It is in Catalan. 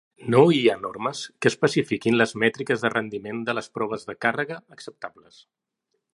No hi ha normes que especifiquin les mètriques de rendiment de les proves de càrrega acceptables.